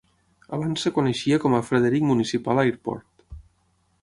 Abans es coneixia com a Frederick Municipal Airport.